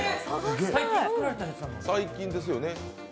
最近ですよね？